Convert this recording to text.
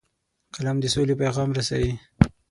قلم د سولې پیغام رسوي